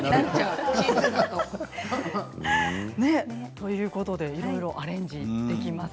ということでいろいろアレンジできます